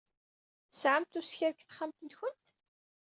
Tesɛamt uskir deg uxxam-nkent?